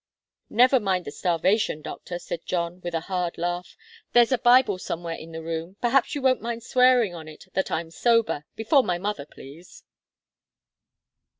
"Never mind the starvation, doctor," said John, with a hard laugh. "There's a Bible somewhere in the room. Perhaps you won't mind swearing on it that I'm sober before my mother, please."